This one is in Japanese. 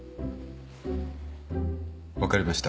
分かりました。